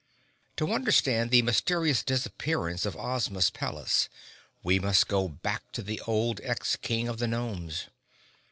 _ To understand the mysterious disappearance of Ozma's palace, we must go back to the old Ex King of the Gnomes.